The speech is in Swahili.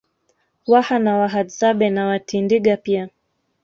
Waha na Wahadzabe na Watindiga pia